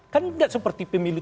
kan tidak seperti pemilu